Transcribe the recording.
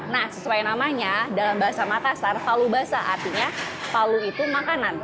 nah sesuai namanya dalam bahasa makassar palu basah artinya palu itu makanan